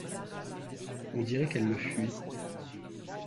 On dirait qu’elle me fuit.